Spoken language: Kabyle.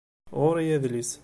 Ɣur-i adlis